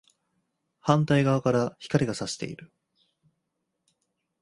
反対側から光が射している